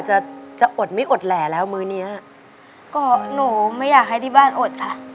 จะจะอดไม่อดแหล่แล้วมื้อเนี้ยก็หนูไม่อยากให้ที่บ้านอดค่ะ